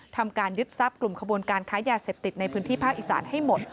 ทำการยึดทรัพย์กลุ่มขบวนการค้ายาเสพติดในพื้นที่ภาคอีสานให้หมด